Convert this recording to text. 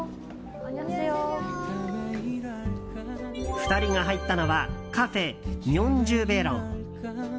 ２人が入ったのはカフェミョンジュベロン。